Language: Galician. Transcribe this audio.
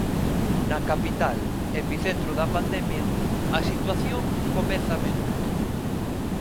Na capital, epicentro da pandemia, a situación comeza a mellorar.